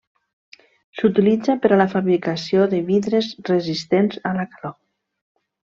S'utilitza per a la fabricació de vidres resistents a la calor.